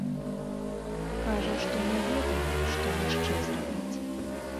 Кажа, што не ведае, што яшчэ зрабіць.